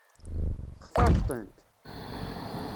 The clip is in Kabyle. Textaṛeḍ-tent?